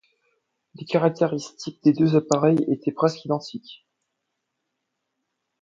Les caractéristiques des deux appareils étaient presque identiques.